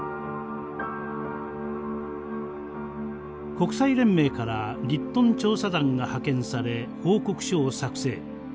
国際連盟からリットン調査団が派遣され報告書を作成。